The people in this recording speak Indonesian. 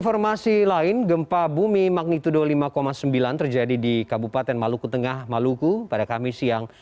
informasi lain gempa bumi magnitudo lima sembilan terjadi di kabupaten maluku tengah maluku pada kamis siang